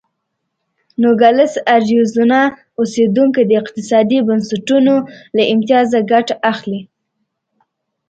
نوګالس اریزونا اوسېدونکي د اقتصادي بنسټونو له امتیاز ګټه اخلي.